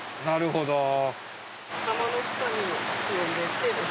なるほど。